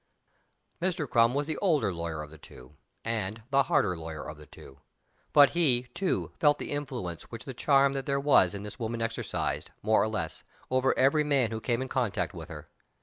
Mr. Crum was the older lawyer of the two, and the harder lawyer of the two; but he, too, felt the influence which the charm that there was in this woman exercised, more or less, over every man who came in contact with her.